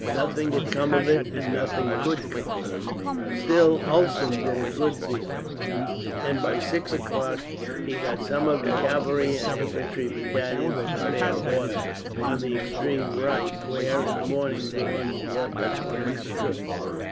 Nothing had come of it, and nothing could come of it. Still, Hulsen did a good deal, and by six o'clock had got some of the cavalry and infantry battalions in fair order, on the extreme right; where, in the morning, Daun's left flank stood.